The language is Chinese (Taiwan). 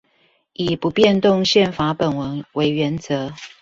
以不變動憲法本文為原則